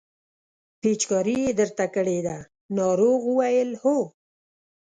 پېچکاري یې درته کړې ده ناروغ وویل هو.